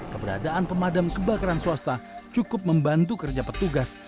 keberadaan pemadam kebakaran swasta cukup membantu kerja petugas